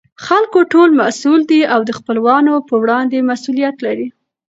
خلکو ټول مسئوول دي او دخپلوانو په وړاندې مسئولیت لري.